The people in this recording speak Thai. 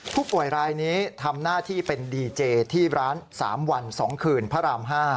ผู้ป่วยรายนี้ทำหน้าที่เป็นดีเจที่ร้าน๓วัน๒คืนพระราม๕